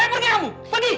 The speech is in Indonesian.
ayo pergi kamu pergi